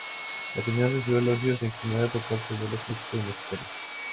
La canción recibió elogios en general por parte de los críticos musicales.